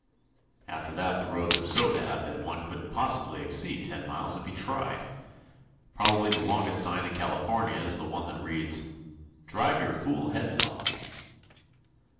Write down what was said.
After that the roads are so bad that one couldn't possibly exceed ten miles if he tried. Probably the longest sign in California is that one which reads "Drive your fool heads off."